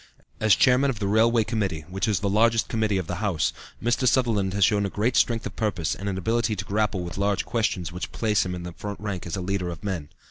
As Chairman of the Railway Committee, which is the largest committee of the House, Mr. Sutherland has shown a strength of purpose and an ability to grapple with large questions which place him in the front rank as a leader of men.